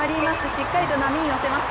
しっかり波に乗せます。